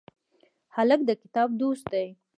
هلک د کتاب دوست دی.